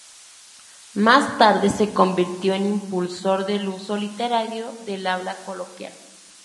Más tarde se convirtió en impulsor del uso literario del habla coloquial.